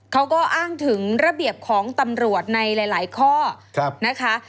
เขาก็อ้างถึงระเบียบของตำรวจในหลายข้อนะคะ